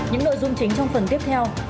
những nội dung chính trong phần tiếp theo